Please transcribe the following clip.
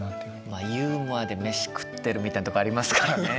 まあユーモアで飯食ってるみたいなとこありますからね